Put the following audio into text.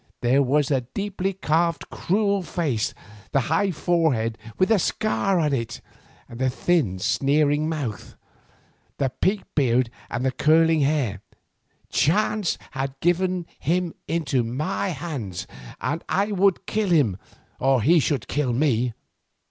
There was the deeply carved, cruel face, the high forehead with the scar on it, the thin sneering mouth, the peaked beard and curling hair. Chance had given him into my hand, and I would kill him or he should kill me.